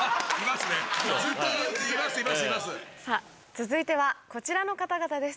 続いてはこちらの方々です。